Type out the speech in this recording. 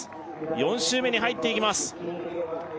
４週目に入っていきます